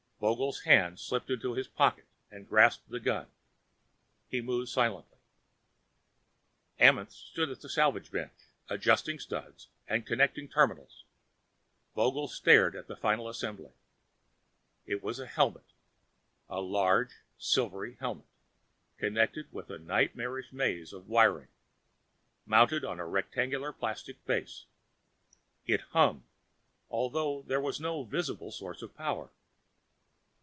Vogel's hand slipped into his coat pocket and grasped the gun. He moved silently. Amenth stood at the salvage bench, adjusting studs and connecting terminals. Vogel stared at the final assembly. It was a helmet. A large silvery helmet, connected to a nightmarish maze of wiring, mounted on a rectangular plastic base. It hummed, although there was no visible source of power.